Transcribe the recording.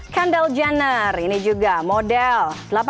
kandal jenner ini juga model